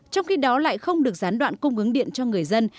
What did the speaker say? trong khi đó lại không được gián đoạn cung ứng điện cho người dân